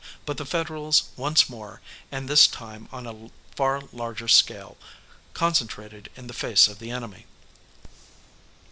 But the Federals once more, and this time on a far larger scale, concentrated in the face of the enemy.